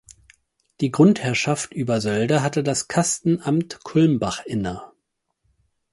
Die Grundherrschaft über die Sölde hatte das Kastenamt Kulmbach inne.